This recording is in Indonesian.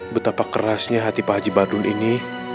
betapa kerasnya hati pak haji badul ini